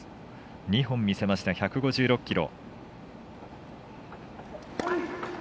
２本見せました、１５６キロ。